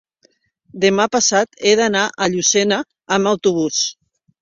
Demà passat he d'anar a Llucena amb autobús.